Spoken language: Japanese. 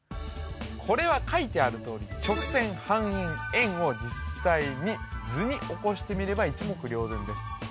これは書いてあるとおり直線半円円を実際に図に起こしてみれば一目瞭然です